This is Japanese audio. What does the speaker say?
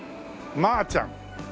「まあちゃん」